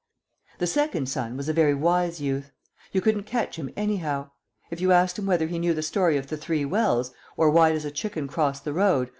The second son was a very wise youth. You couldn't catch him anyhow. If you asked him whether he knew the story of the three wells, or "Why does a chicken cross the road?"